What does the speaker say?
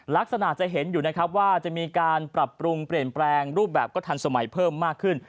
ลักษณะจะเห็นอยู่นะครับว่าจะมีการปรับปรุงเปลี่ยนแปลงรูปแบบก็ทันสมัยเพิ่มมากขึ้น